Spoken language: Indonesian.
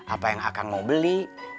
apa yang akan mau beli